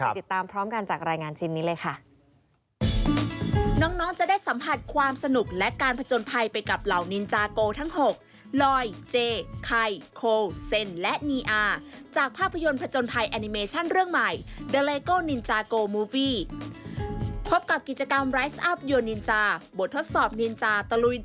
ติดตามพร้อมกันจากรายงานเช่นนี้เลยค่ะ